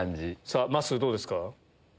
まっすーどうですか？